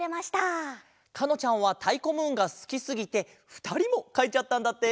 かのちゃんはたいこムーンがすきすぎてふたりもかいちゃったんだって。